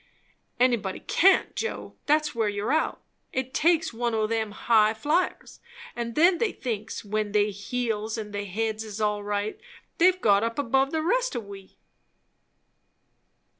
"Anybody can't, Joe! that's where you're out. It takes one o' them highflyers. And then they thinks, when their heels and their heads is all right, they've got up above the rest of we."